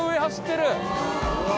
うわ！